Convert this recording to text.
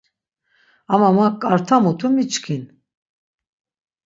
Ama ma ǩarta mutu miçkin.